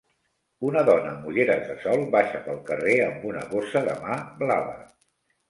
Una dona amb ulleres de sol baixa pel carrer amb una bossa de mà blava.